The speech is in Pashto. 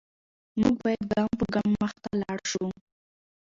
موږ باید ګام په ګام مخته لاړ شو.